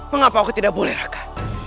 mengapa aku tidak boleh raka